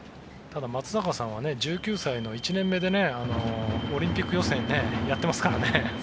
ただ、松坂さんは１９歳の１年目でオリンピック予選やってますからね。